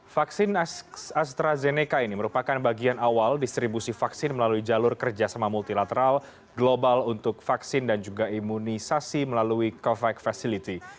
vaksin astrazeneca ini merupakan bagian awal distribusi vaksin melalui jalur kerjasama multilateral global untuk vaksin dan juga imunisasi melalui covax facility